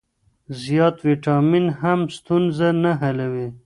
زیات ویټامین هم ستونزه نه حلوي.